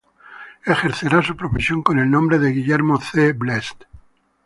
Ejercerá su profesión con el nombre de Guillermo C. Blest.